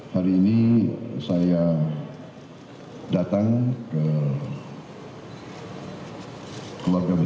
hari ini saya datang ke keluarga besar